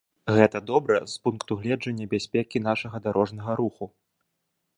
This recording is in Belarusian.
Гэта добра з пункту гледжання бяспекі нашага дарожнага руху.